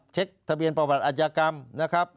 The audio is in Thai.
ทะเบียนประวัติอาชญากรรมนะครับ